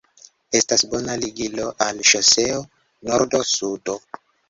Estas bona ligilo al ŝoseo nordo-sudo.